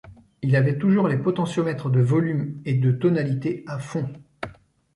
Il avait toujours les potentiomètres de volume et de tonalité à fond.